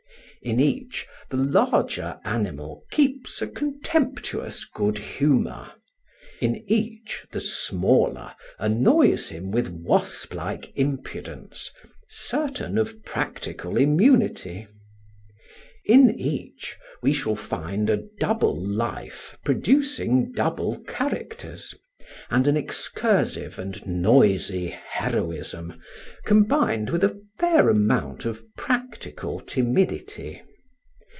In each the larger animal keeps a contemptuous good humour; in each the smaller annoys him with wasp like impudence, certain of practical immunity; in each we shall find a double life producing double characters, and an excursive and noisy heroism combined with a fair amount of practical timidity.